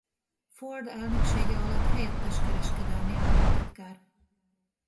Ford elnöksége alatt helyettes kereskedelmi államtitkár.